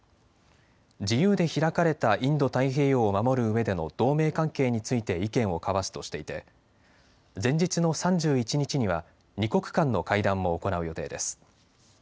自由で開かれたインド太平洋を守るうえでの同盟関係について意見を交わすとしていて前日の３１日には２国間の会談も行う予定です。